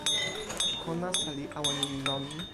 ko nasa li awen lon.